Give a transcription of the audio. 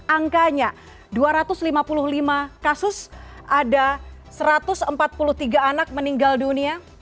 angkanya dua ratus lima puluh lima kasus ada satu ratus empat puluh tiga anak meninggal dunia